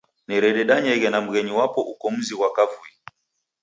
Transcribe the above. Nerededanyeghe na mghenyu wapo uko mzi ghwa kavui.